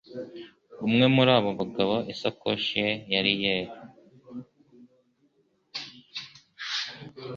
Umwe muri abo bagabo isakoshi ye yari yera